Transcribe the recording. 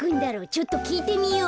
ちょっときいてみよう。